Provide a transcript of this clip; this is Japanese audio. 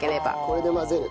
これで混ぜる。